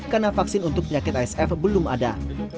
karena vaksin untuk penyakit asf belum ada